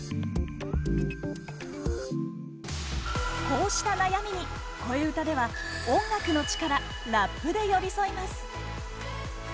こうした悩みに「こえうた」では、音楽の力ラップで寄り添います。